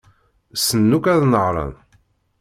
Ssnen akk ad nehṛen.